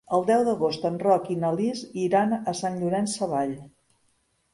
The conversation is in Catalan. El deu d'agost en Roc i na Lis iran a Sant Llorenç Savall.